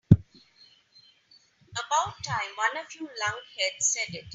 About time one of you lunkheads said it.